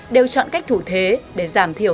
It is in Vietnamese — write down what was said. đều chọn cách thủ thế để giảm thiểu